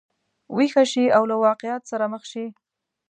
ویښه شي او له واقعیت سره مخ شي.